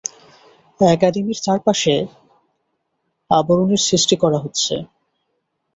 একাডেমীর চারপাশে আবরণের সৃষ্টি করা হচ্ছে?